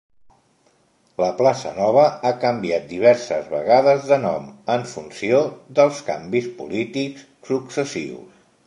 La Plaça Nova ha canviat diverses vegades de nom en funció dels canvis polítics successius.